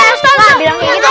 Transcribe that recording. ustadzah berikan dong